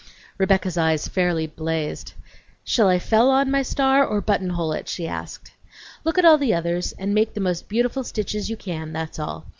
Rebecca's eyes fairly blazed. "Shall I fell on' my star, or buttonhole it?" she asked. "Look at all the others and make the most beautiful stitches you can, that's all.